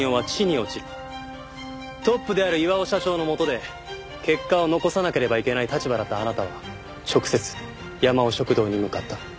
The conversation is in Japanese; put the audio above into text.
トップである巌社長のもとで結果を残さなければいけない立場だったあなたは直接やまお食堂に向かった。